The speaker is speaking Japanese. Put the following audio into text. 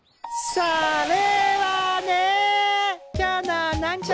それはね。